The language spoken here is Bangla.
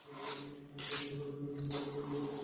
সংযুক্ত প্রতিটি লেন তৈরী ও এর উন্নয়ন উনার অবদান ছিল।